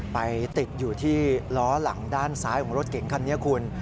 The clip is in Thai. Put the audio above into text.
ไปติดอยู่ที่ล้อหลังด้านซ้ายของรถเก๋งคันนี้คุณ